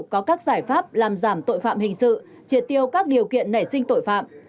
có các giải pháp làm giảm tội phạm hình sự triệt tiêu các điều kiện nảy sinh tội phạm